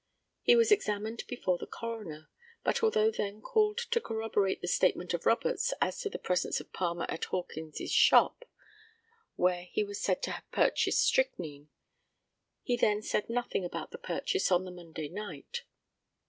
He was examined before the coroner, but although then called to corroborate the statement of Roberts as to the presence of Palmer at Hawkins's shop, where he was said to have purchased strychnine, he then said nothing about the purchase on the Monday night.